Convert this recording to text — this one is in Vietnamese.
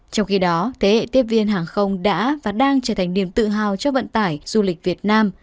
trong khi đó thế hệ tiếp viên hàng không đã và đang trở thành niềm tự hào cho vận tải du lịch việt nam